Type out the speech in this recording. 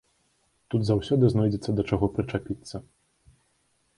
Тут заўсёды знойдзецца, да чаго прычапіцца.